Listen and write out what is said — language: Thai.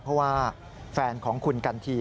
เพราะว่าแฟนของคุณกันที